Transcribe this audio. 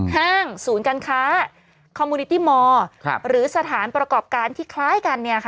ห้างศูนย์การค้าคอมมูนิตี้มอร์หรือสถานประกอบการที่คล้ายกัน